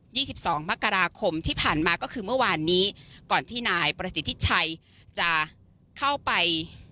ี่สิบสองมกราคมที่ผ่านมาก็คือเมื่อวานนี้ก่อนที่นายประสิทธิชัยจะเข้าไป